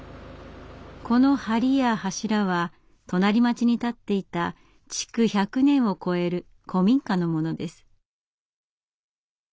この梁や柱は隣町に建っていた築１００年を超える古民家のものです。